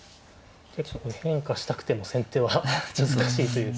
これ変化したくても先手は難しいというか。